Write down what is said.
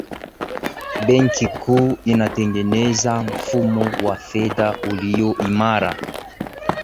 benki kuu inatengeneza mfumo wa fedha uliyo imara